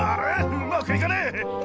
うまく行かねえ！